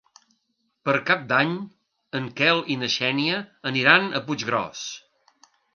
Per Cap d'Any en Quel i na Xènia aniran a Puiggròs.